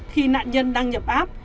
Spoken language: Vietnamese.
khi nạn nhân đăng nhập app